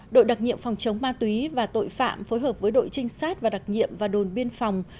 đội đặc nhiệm phòng chống ma túy và tội phạm phối hợp với đội trinh sát và đặc nhiệm và đồn biên phòng